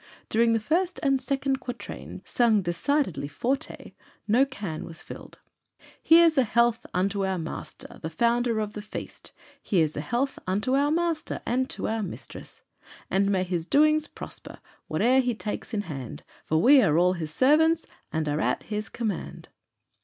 During the first and second quatrain, sung decidedly forte, no can was filled: "Here's a health unto our master, The founder of the feast; Here's a health unto our master And to our mistress! "And may his doings prosper, Whate'er he takes in hand, For we are all his servants, And are at his command."